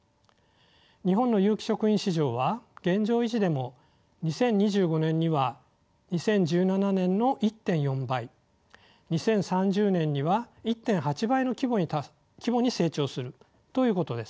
日本の有機食品市場は現状維持でも２０２５年には２０１７年の１．４倍２０３０年には１．８倍の規模に成長するということです。